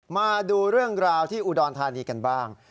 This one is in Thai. มาดูเรื่องราวที่อุดรธานีกันบ้าง